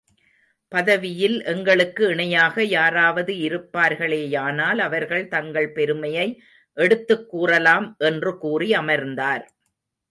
பதவியில் எங்களுக்கு இணையாக யாராவது இருப்பார்களேயானால், அவர்கள் தங்கள் பெருமையை எடுத்துக் கூறலாம். என்று கூறி அமர்ந்தார்.